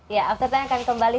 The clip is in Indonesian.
ya after that kami kembali